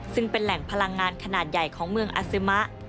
ซึ่งเป็นแหล่งพลังงานขนาดใหญ่ของเมืองอาซึมะ